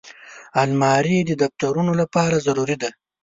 الماري د دفترونو لپاره ضروري ده